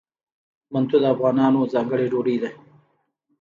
منتو د افغانانو ځانګړې ډوډۍ ده.